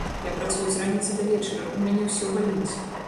Я працую з раніцы да вечара, у мяне ўсё баліць.